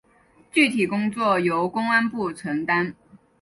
具体工作由公安部承担。